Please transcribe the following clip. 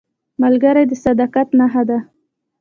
ملګری د صداقت نښه ده